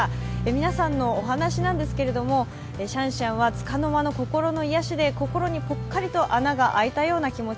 皆さんのお話なんですけどシャンシャンはつかの間の心の癒やしで心にぽっかりと穴が開いたような気持ち。